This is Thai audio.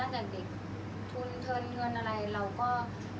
อันไหนที่มันไม่จริงแล้วอาจารย์อยากพูด